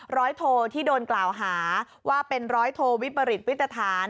โทที่โดนกล่าวหาว่าเป็นร้อยโทวิปริตวิตฐาน